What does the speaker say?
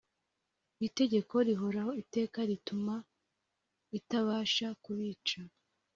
itegeko rihoraho iteka rituma itabasha kubica